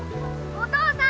お父さん！